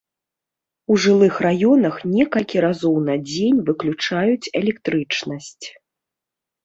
У жылых раёнах некалькі разоў на дзень выключаюць электрычнасць.